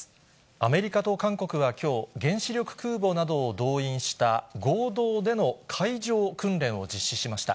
アメリカと韓国はきょう、原子力空母などを動員した合同での海上訓練を実施しました。